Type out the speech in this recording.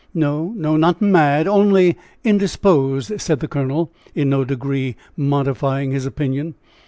"No, no, not mad, only indisposed," said the colonel, in no degree modifying his opinion.